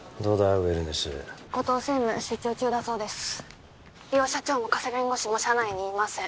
ウェルネス後藤専務出張中だそうです☎梨央社長も加瀬弁護士も社内にいません